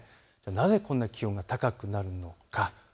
なぜこんなに気温が高くなるのか。